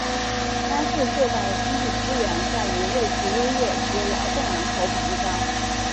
该市最大的经济资源在于位置优越及劳动人口比例高。